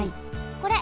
これ。